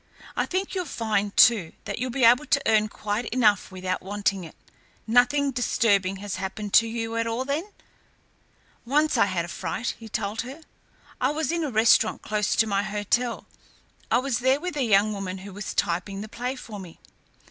"I think you'll find, too, that you'll be able to earn quite enough without wanting it. Nothing disturbing has happened to you at all, then?" "Once I had a fright," he told her. "I was in a restaurant close to my hotel. I was there with a young woman who is typing the play for me."